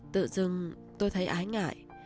tự dưng tôi thấy ái ngại